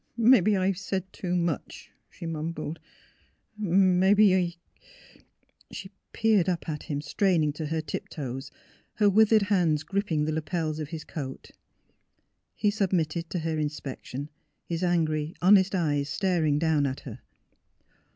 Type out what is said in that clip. ^' Mebbe I've said too much," she mumbled. " Mebbe I " She peered up at him, straining to her tiptoes, her withered hands gripping the lapels of his coat. He submitted to her inspection ; his angry, honest eyes staring down at her.